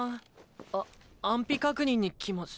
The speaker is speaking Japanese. あ安否確認に来まし。